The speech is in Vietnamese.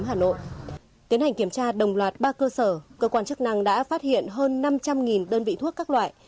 hạt đồng loạt ba cơ sở cơ quan chức năng đã phát hiện hơn năm trăm linh đơn vị thuốc các loại